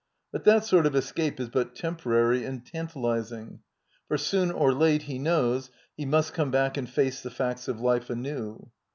But that sort of escape is but temporary and tantalizing, for soon or late, he knows, he must come back and face the facts of life anew.